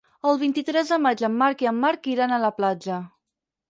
El vint-i-tres de maig en Marc i en Marc iran a la platja.